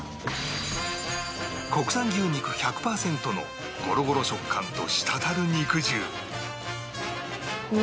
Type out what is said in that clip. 国産牛肉１００パーセントのゴロゴロ食感と滴る肉汁